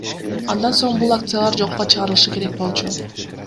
Андан соң бул акциялар жокко чыгарылышы керек болчу.